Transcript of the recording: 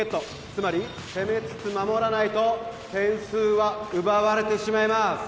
つまり攻めつつ守らないと点数は奪われてしまいます